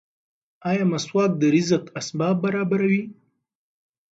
ایا مسواک د رزق اسباب برابروي؟